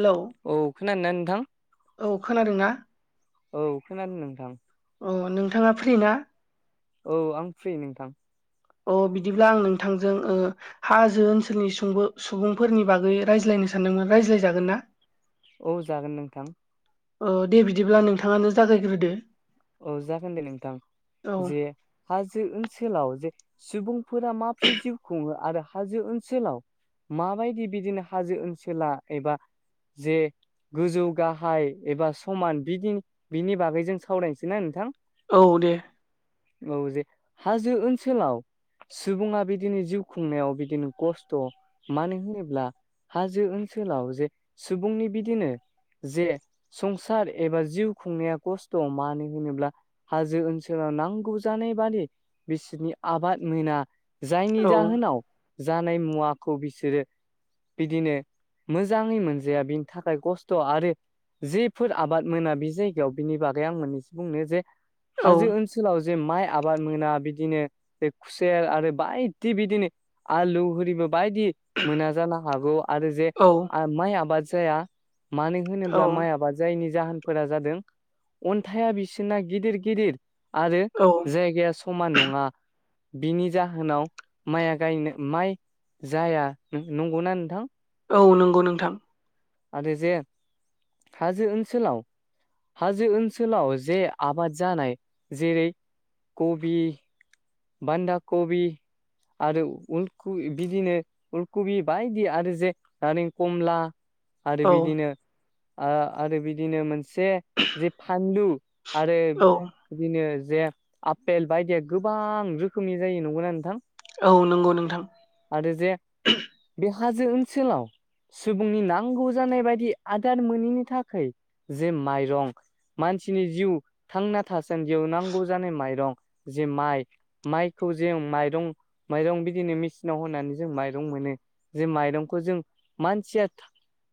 Hello औ खोनादों ना नोंथां औ खोनादोंना औ खोनादों नोंथां। अ नोंथाङा फ्रि ना? औ आं फ्रि ना नोंथां औ बिदिब्ला आं नोंथांजों औ हाजो ओनसोलनि सुबु सुबुंफोरनि बागै रायज्लायनो सानदोंमोन रायज्लायजागोन ना औ जागोन नोंथां। ओ दे बिदिब्ला नोंथाङानो जागायग्रोदो ना? औ जागोन दे नोंथां जे हाजो ओनसोलाव जे सुबुंफोरा माब्रै जिउ खुङो आरो हाजो ओनसोलाव माबादि बिदिनो हाजो ओनसोला एबा ओ जे गोजौ गाहाय एबा समान बिदि बिनि बागै जों सावरायनोसै सिनाय नोंथांआ औ दे औ जे हाजो ओनसोलावहा सुबुङा बिदिनो जिउ खुंनायाव बिदिनो खस्थ' मानो होनोब्ला हाजो ओनसोलाव जे सुबुंनि बिदिनो ओ जे संसार एबा जिउ खुंनाया खस्थ' मा हो हाजो ओनसोलाव नांगौ जानाय बादि बिसोरनि आबाद मोना जायनि औ जाहोनाव जानाय मुवाखौ बिसोरो बिदिनो मोजाङै मोनजाया बेनि थाखाय खस्थ' आरो ओ जेफोर आबाद मोना बे जायगायाव बिनि बागै आं मोननैसो बुंनो जे औ हाजो ओनसोल ओ लाव जे माइ आबाद मोना बिदिनो खुसेर आरो बायदि बिदिनो ओ आलु हरिबो बायदि मोना जानो हागौ आरो जे औ माइ आबाद जाया मानो औ होनोब्ला माइ आबाद जायैनि जाहोना फोर जादों अन्थाइआ बिसोरना गिदिर गिदिर आरो औ। जायगाया समान नङा ओ बिनि जाहोनाव माइया गायनो माइ जाया नंगौना नोंथां। औ नंगौ नोंथां। ओ आरो जे हाजो ओनसोलाव हाजो ओनसोलाव जे आबाद जानाय जेरै कबि बान्दा कबि आरो उलखु बिदिनो पुलकबि बायदि आरो जे नारें कमला आरो औ बिदिनो आरो बिदिनो मोनसे जे फानलु आरो औ बिदिनो जे आपेल बायदिया गोबां रोखोमनि जायो नंगौना नोंथां औ नंगौ नोंथां आरो जे बे हाजो ओनसोलाव सुबुंनि नांगौ जानाय बायदि आदार मोनैनि थाखाय जे माइरं मानसिनि जिउ थांना थासान्दियाव नांगौ जानाय माइरं जे माइ माइखौ जों माइरं माइरं बिदिनो मेचिनाव होनानै जों माइरं मोनो जे माइरंखौ जों मानसिया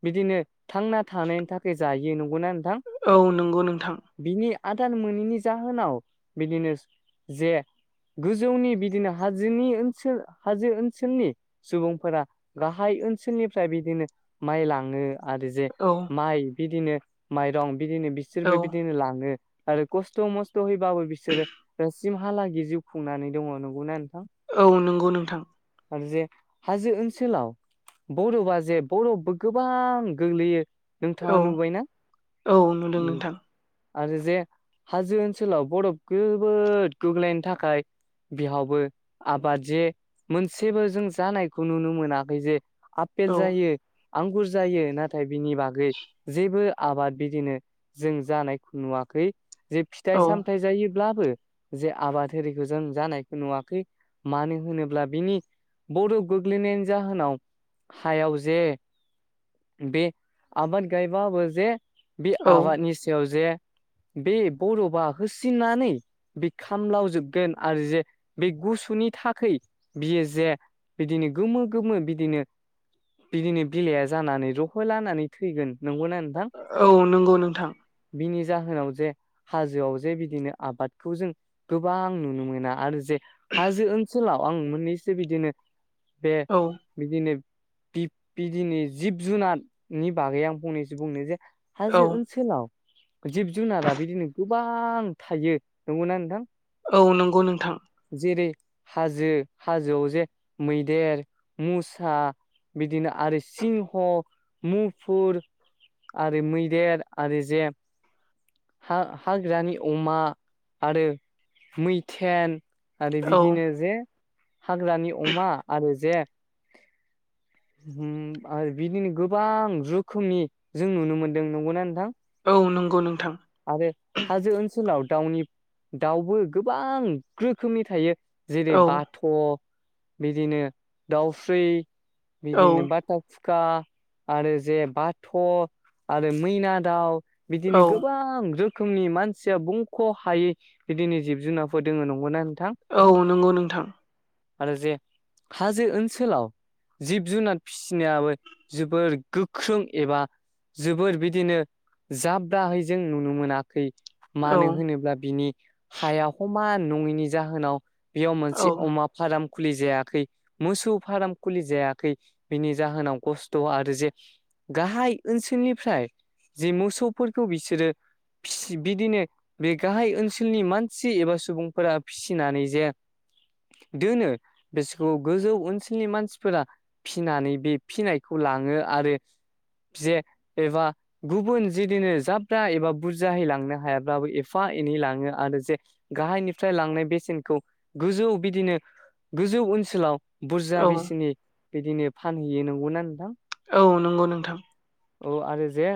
बिदिनो थांना थानायनि थाखाय जायो नंगौना नोंथां औ नंगौ नोंथां बिनि आदार मोनोनि जाहोनाव बिदिनो जे गोजौनि बिदिनो हाजोनि ओनसोल हाजो ओनसोलनि सुबुंफोरा गाहाय ओनसोलनिफ्राय बिदिनो माइ लाङो आरो जे औ माइ बिदिनो माइरं बिदिनो औ बिसोरबो बिदिनो लाङो आरो खस्थ' मस्थ' हैबाबो बिसोरो दासिमहालागि जिउ खुंनानै दङ नंगौना नोंथां औ नंगौ नोंथां आरो जे हाजो ओनसोलाव बरबा जे बरबबो गोबां गोग्लैयो औ नोंथाङा नुबायना? औ नुदों नोंथां आरो जे हाजो ओनसोलाव बरफ जोबोद गोग्लैनायनि थाखाय खाय बिहावबो आबाद जे मोनसेबो जों जानायखौ नुनो मोनाखै जे आपेल औ जायो आंगुर जायो नाथाय बिनि बागै जेबो आबाद बिदिनो जों जानायखौ नुवाखै जे फिथाइ औ सामथायाइ जायोब्लाबो जे आबाद एरिखौ जों जानायखौ नुवाखै मानो होनोब्ला बिनि बरप गोग्लैनायनि जाहोनाव हायाव जे बे आबाद गायबाबो जे बे औ आबादनि सायाव जे बे बरफआ होसिननानै बे खामलावजोब गोन आरो जे बे गुसुनि थाखै बियो जे बिदिनो गोमो गोमो बिदिनो बिदिनो बिलाइआ जानानै रह' लानानै थैगोन नंगौना नोंथां औ नंगौ नोंथां बिनि जाहोनाव जे हाजोआव जे बिदिनो आबादखौ जों गोबां आं नुनो मोना आरो जे हाजो ओनसोलाव आं मोननैसो बिदिनो बे औ बिदिनो बिदिनो जिब जुनारनि बागै आं फंनैसो बुंनो जे औ हाजो ओनसोलाव जिब जुनारा बिदिनो गोबां थायो नंगौना नोंथां? औ नंगौ नोंथां जेरै हाजो हाजोआव जे मैदेर मुसा बिदिनो आरो सिंह मुफुर आरो मैदेर आरो जे हा हाग्रानि अमा आरो मैथेन आरो औ बिदिनो जे हाग्रानि अमा आरो जे आरो बिदिनो गोबां रोखोमनि जों नुनो मोनदों नंगौना नोंथां औ नंगौ नोंथां आरो हाजो ओनसोलाव दाउनि दाउबो गोबां रोखोमनि थायो जेरै औ बाथ' बिदिनो दाउस्रि औ बिदिनो बाथ खुखा आरो जे बाथ' आरो मैना दाउ औ बिदिनो गोब ओ गोबां रोखोमनि मानसिया बुंख' हायै बिदिनो जिब जुनारफोर दोङ नंगौना नोंथां। औ नंगौ नोंथां। आं आरो जे हाजो ओनसोलाव जिब जुनार फिसिनायाबो जोबोर गोख्रों एबा ओ जोबोर बिदिनो जाब दाहैयो जों नुनो मोनाखै औ मानो होनोब्ला बिनि हाया समान नङैनि जाहोनाव बेयाव औ मोनसे अमा फार्म खुलि जायाखै मोसौ फार्म खुलि जायाखै। ओ बिनि जाहोनाव खस्थ' आरो जे गाहाय ओनसोलनिफ्राय जे मोसौफोरखौ बिसोर बिसोरो बि-बिदिनो बे गाहाय ओनसोलनि मानसि एबा सुबुंफोरा फिसिनानै जे दोनो बिसोरखौ गोजौ ओनसोलनि मानसिफोरा फिनानै बे फिनायखौ लाङो आरो ओ जे एबा गुबुन जिदिनो जाब एबा बुरजाहै लांनो हायाब्लाबो एफा एनै लाङो आरो जेखौ गाहायनिफ्राय लांनाय बेसेनखौ गोजौ बिदिनो गोजौ ओनसोलाव बुरजा औ बिसनि बिदिनो फानहैयो नंगौना नोंथां ओ औ नंगौ नोंथां। औ आरो जे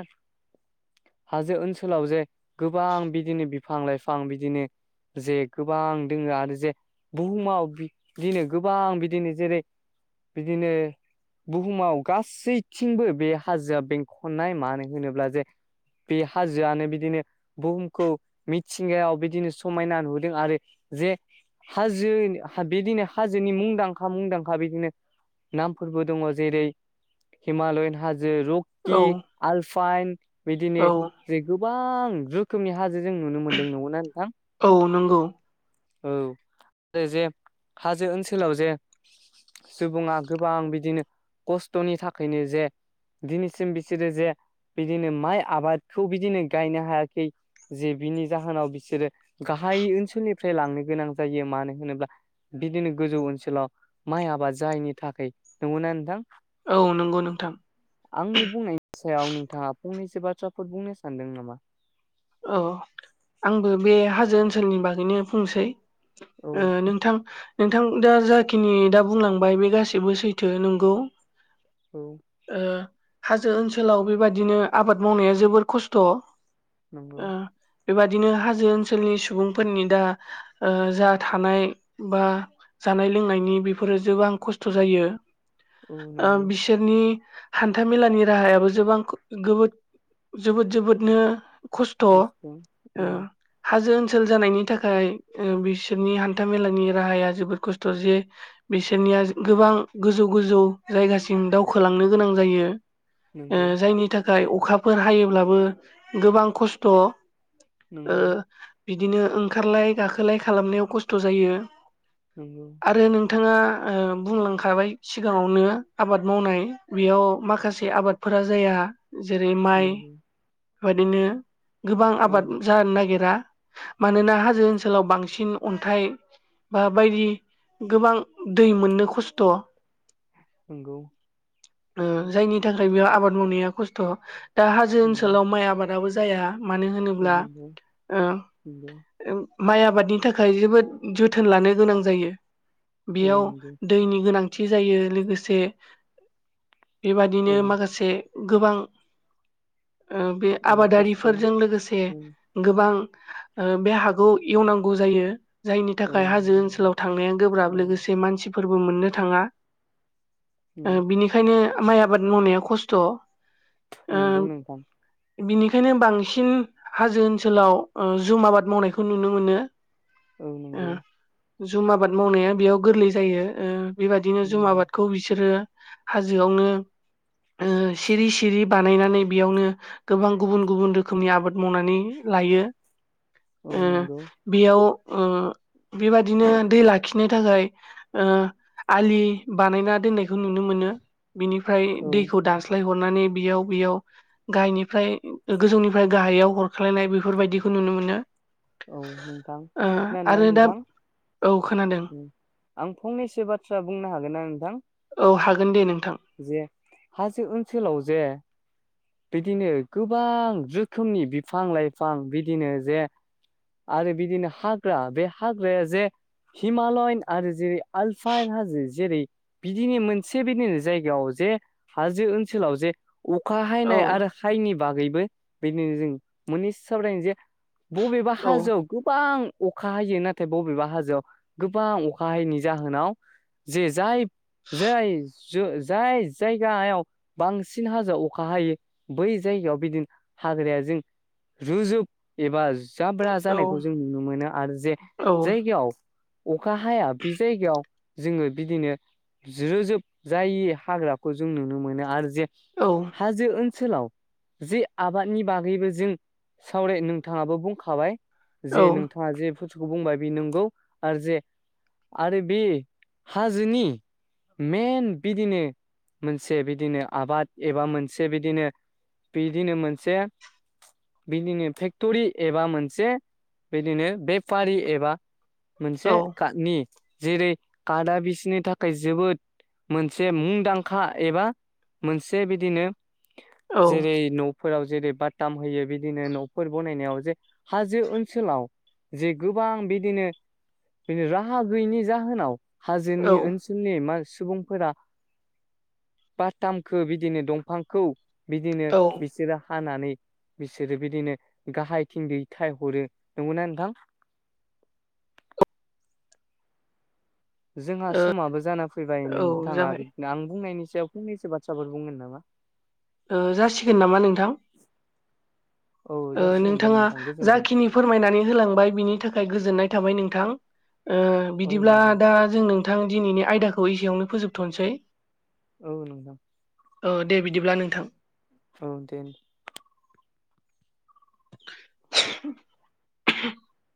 हाजो ओनसोलाव जे गोबां बिदिनो बिफां-लाइफां बिदिनो ओ जे गोबां दङो आरो जे बुहुमाव ओ बिदिनो गोबां बिदिनो जेरै बिदिनो बुहुमाव गासैथिंबो बे हाजोआ बेंखननाय मानो होनोब्ला जे बे हाजोआनो बिदिनो बुहुमखौ मिथिंगायाव बिदिनो समायना नुदों आरो जेओ हाजो ओ बिदिनो हाजोनि मुंदांखा मुंदांखा बिदिनो नामफोरबो दङ जेरै हिमालयान हाजो रु कि औ आलफाइन बिदिनो औ ओ जे गोबां रोखोमनि हाजो जों नुनो मोनदों नंगौना नोंथां। औ नंगौ। औ आरो जे हाजो ओनसोलाव जे सुबुङा गोबां बिदिनो खस्थ'नि थाखायनो जे दिनैसिम बिसोरो जे बिदिनो माइ आबादखौ बिदिनो गायनो हायाखै। जे बिनि जाहोनाव बिसोरो गाहाय ओनसोलनिफ्राय लांनो गोनां जायो मानो होनोब्ला ओ बिदिनो गोजौ ओनसोलाव माइ आबाद जायैनि थाखाय नंगौना नोंथांओ औ नंगौ नोंथां। आंनि बुंनायनि सायाव नोंथाङा फंनैसो बाथ्राफोर बुंनो सान्दों नामा औ आंबो बे हाजो ओनसोलनि बागैनो बुंनोसैओ औ ओ नोंथां नोंथां दा जाखिनि दा बुंलांबाय बे गाससिबो सैथो नोंगौओ [inaudible] हाजो ओनसोलाव बेबादिनो आबाद मावनाया जोबोर खस्थ ओ [unintelligible] बेबादिनो हाजो ओनसोलनि सुबुंफोरनि दा ओ जा थानाय बा जानाय लोंनायनि बेफोरो जोबां खस्थ' जायो। औ ओम नंगौ बिसानि बिसोरनि हान्था मेलानि राहायाबो द जोबोद जोबोदनो खस्थ' ओ गस्ला औ हाजो ओनसोल जानायनि थाखाय बिसोरनि हानथा मेलानि राहाया जोबोद खस्थ' जे बिसोरनिया गोबां गोजौ गोजौ जायगासिम दावखोलांनो गोनां जायो नंगौ जायनि थाखाय अखाफोर हायोब्लाबो गोबां खस्थ' ओ नंगौ बिदिनो ओंखारलाय गाखोलाय खालामनायाव खस्थ' जायो औ आरो नोंथाङा ओ बुंलांखाबाय सिगाङावनो आबाद मावनाय बेयाव माखासे आबाद फोरा जाया जेरै माइ नंगौ बेबादिनो गोबां औ आबाद जानो नागिरा मानोना हाजो ओनसोलाव बांसिन अनथाइ बा बायदि गोबां दै मोननो खसथ' नोंगौ ओ जायनि थाखाय बेयाव आबाद मावनाया खसथ' दा हाजो नंगौ ओनसोलाव माइ आबादाबो ज जाया मानो होनोब्ला नंगौ नंगौ ओ माइ आबादनि थाखाय जोबोद जोथोन लानो गोनां जायो औ बियाव नंगौ दैनि गोनांथि जायो लोगोसे औ बेबादिनो माखासे गोबां ओ बे औ आबादारि खस्थ' फोरजों लोगोसे औ गोबां ओ बे हाखौ एवनांगौ जायो जायनि औ थाखाय हाजो नंगौ नंगौ ओनसोलाव थांनाया गोब्राब औ लोगोसे मानसि फोरबो मोननो थाङा औ ओ बिनिखायनो माइ आबाद मावनाया खस्थ' नंगौ नोंथां बिनिखायनो बांसिन हाजो ओनसोलाव ओ जुम आबाद मावनायखौ नुनो मोनो औ ओ नंगौ जुम आबाद मावनाया बेयाव गोरलै जायो ओ बेबायदिनो जुम नंगौ आबादखौ बिसोरो हाजोआवनो ओ सिरि सिरि बानायनानै बेयावनो गोबां गुबुन गुबुन रोखोमनि आबाद मावनानै लायो औ ओ नंगौ बेयाव ओ बेबादिनो दै लाखिनो थाखाय ओ आलि बानायना दोननायखौ नुनो मोनो बिनिफ्राय औ दैखौ दानस्लायहरनानै बेयाव बेयाव गाहायनिफ्राय गोजौनिफ्राय गाहायाव हरख्लायनाय बेफोरबायदिखौ नुनो मोनो औ नोंथां ओ खोनादोंना आरो दा औ खोनादों नोंथां? आं फंनैसो बाथ्रा बुंनो हागोनना नोंथां? औ हागोन दे नोंथां जे हाजो ओनसोलाव जे बिदिनो गोबां रोखोमनि बिफां लाइफां बिदिनो जे आरो बिदिनो हाग्रा बे हाग्राया जे हिमालयन आरो जेरै आलफाइन हाजो जेरै बिदिनो मोनसे बेदिनो जायगायाव जे हाजो ओनसोलाव जे अखा औ हायनाय आरो हाइनि बागैबो बिदिनो जों मोननै सावरायनाय जे बबेबा औ हाजो गोबां अखा हायो नाथाय बबेबा हाजोआव गोबां अखा हायैनि जाहोनाव जे जाय जाय जो जाय जायगायाव बांसिन हाजोआव अखा हायो बै जायगायाव बिदिनो हाग्राया जों जुजुब एबा जाब्रा औ जानायखौ जों नुनो मोनो आरो जे औ जाय याव अखा हाया बे जायगायाव जोङो बिदिनो रोजोब जायै हाग्राखौ जों नुनो मोनो आरो जे औ हाजो ओन सोलाव जे आबादनि बागैबो जों सावराय नोंथाङाबो बुंखाबाय जे नोंथाङा जे फुस्तुखौ बुंबाय बे नंगौ आरो जे आरो बे हाजोनि मेन बिदिनो मोनसे बिदिनो आबाद एबा मोनसे बिदिनो बिदिनो मोनसे बिदिनो फेक्ट'रि एबा मोनसे बिदिनो बे फारि एबा मोनसे औ काटनि जेरै कादा बिसिनो थाखाय जोबोद मोनसे मुंदांखा एबा मोनसे बिदिनो जेरै न'फोराव जेरै बटाम होयो बिदिनो न'फोर बनायनायाव जे जे ओनसोलाव जे गोबां बिदिनो बि राहा गैयिनि जाहोनाव हाजोनि औ ओन सोलनि मा सुबुंफोरा बाथामखौ बिदिनो दंफांखौ बिदिनो औ बिसोरो हानानै बिसोरो बिदिनो गाहायथिंजै थाइ हरो नंगौना नोंथां जोंहा ओ समाबो जाना फैबाय औ नोंथाङा जाबाय आं बुंनायनि सायाव फंनैसो बाथ्राफोर बुंगोन नामा ओ जासिगोन नामा नोंथां औ ओ जासिगोन दे नोंथाङा नोंथां गोजोन्थों जाखिनि फोरमायनानै होलांबाय बिनि थाखाय गोजोननाय थाबाय नोंथां ओ औ बिदिब्ला नोंथां दा जों नोंथां दिनैनि आयदाखौ एसेयावनो फोजोबथ'नोसै औ नोंथां औ दे बिदिब्ला नोंथां औ दे [inaudible]